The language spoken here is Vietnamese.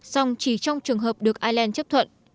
song chỉ trong trường hợp được ireland chấp thuận